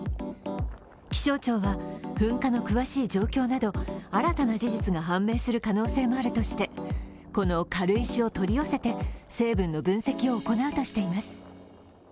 気象庁は、噴火の詳しい状況など新たな事実が判明する可能性もあるとしてこの軽石を取り寄せて成分の分析を行うとしています。